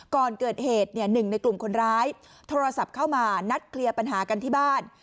ก่อนเกิดเหตุหนึ่งในกลุ่มคนร้ายโทรศัพท์เข้ามานัดเคลียร์ปัญหากันที่บ้าน